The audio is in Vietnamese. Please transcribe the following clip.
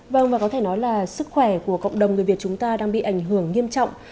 vâng và có thể nói là sức khỏe của cộng đồng người việt chúng ta đang bị ảnh hưởng nghiêm trọng